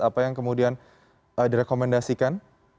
apa yang kemudian direkomendasikan